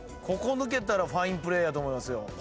ここぬけたらファインプレーやと思いますよ。